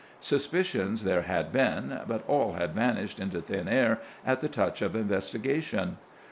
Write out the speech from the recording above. Suspicions there had been, but all had vanished into thin air at the touch of investigation.